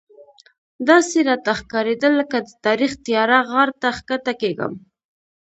داسې راته ښکارېدل لکه د تاریخ تیاره غار ته ښکته کېږم.